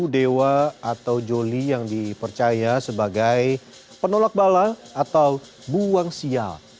dewa atau joli yang dipercaya sebagai penolak bala atau buang sial